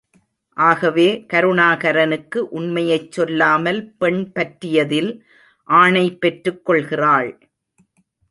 ஆகவே கருணாகரனுக்கு உண்மையைச் சொல்லாமல் பெண் பற்றியதில் ஆணை பெற்றுக்கொள்கிறாள்.